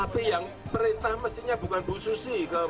tapi yang perintah mestinya bukan bu susi ke menteri